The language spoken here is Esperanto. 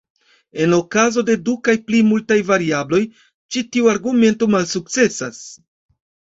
En okazo de du kaj pli multaj variabloj, ĉi tiu argumento malsukcesas.